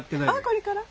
これから？